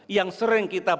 yang sering kita bahas